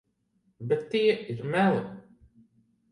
Bet tie ir meli.